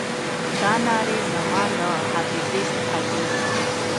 دا نارې زما له حافظې څخه دي.